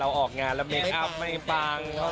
เราออกงานเราเมคอัพไม่ปังเท่า